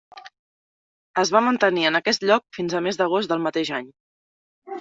Es va mantenir en aquest lloc fins al mes d'agost del mateix any.